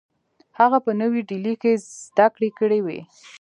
هغه په نوې ډیلي کې زدکړې کړې وې